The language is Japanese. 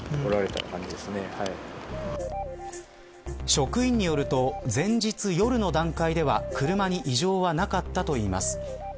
職員によると前日夜の段階では車に異常はなかったといいます。